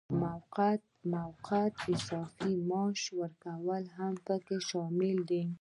موقت اضافي معاش ورکول هم پکې شامل دي.